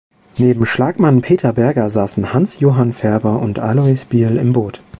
Neben Schlagmann Peter Berger saßen Hans-Johann Färber und Alois Bierl im Boot.